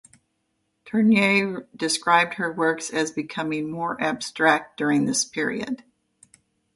Turnier described her works as becoming more abstract during this period.